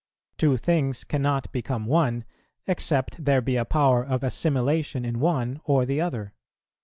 Two things cannot become one, except there be a power of assimilation in one or the other.